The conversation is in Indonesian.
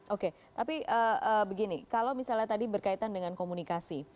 oke tapi begini kalau misalnya tadi berkaitan dengan komunikasi